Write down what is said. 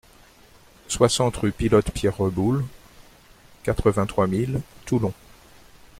soixante rue Pilote Pierre Reboul, quatre-vingt-trois mille Toulon